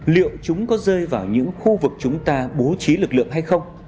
liệu chúng có rơi vào những khu vực chúng ta bố trí lực lượng hay không